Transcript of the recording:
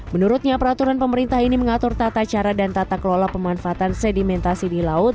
menurutnya peraturan pemerintah ini mengatur tata cara dan tata kelola pemanfaatan sedimentasi di laut